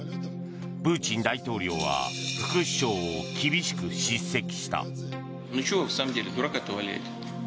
プーチン大統領は副首相を厳しく叱責した。